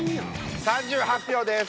３８票です。